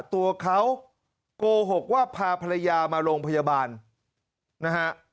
ตัวเขาโกหกว่าพาภรรยามาโรงพยาบาลนะฮะ